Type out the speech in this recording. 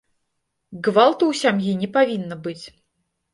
Гвалту ў сям'і не павінна быць.